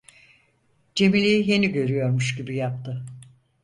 Cemile'yi yeni görüyormuş gibi yaptı.